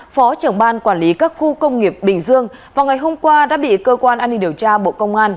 phó trưởng ban quản lý các khu công nghiệp bình dương vào ngày hôm qua đã bị cơ quan an ninh điều tra bộ công an